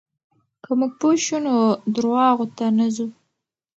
که موږ پوه شو، نو درواغو ته نه ځو.